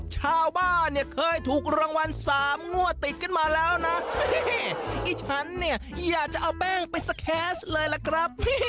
ชาวบ้านเคยถูกรางวัลสามงั่วติดมาแล้วนะฉันเนี่ยอยากจะเอาแป้งไปซะแครสเลยล่ะครับ